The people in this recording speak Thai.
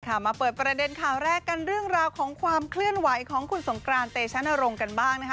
มาเปิดประเด็นข่าวแรกกันเรื่องราวของความเคลื่อนไหวของคุณสงกรานเตชะนรงค์กันบ้างนะคะ